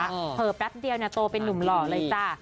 น้องแม็กซ์เดียวเนี่ยโตเป็นนุ่มหล่อเลยจ้ะ